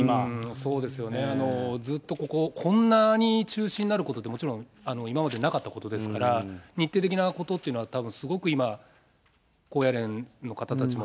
そうですよね、ずっと、こんなに中止になることって、もちろん、今までなかったことですから、日程的なことっていうのは、たぶん、すごく今、高野連の方たちも、